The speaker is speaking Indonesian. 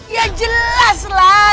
ya jelas lah